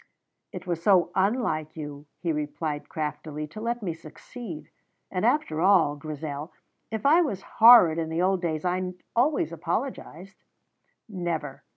"It was so unlike you," he replied craftily, "to let me succeed. And, after all, Grizel, if I was horrid in the old days I always apologized." "Never!"